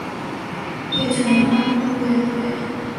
月球漫步乐团是一个来自俄亥俄州辛辛那提的美国摇滚乐队。